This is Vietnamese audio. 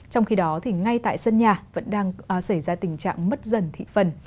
trong khi đó thì ngay tại sân nhà vẫn đang xảy ra tình trạng mất dần thị phần